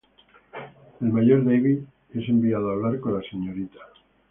El Mayor Davis es enviado a hablar con la Srta.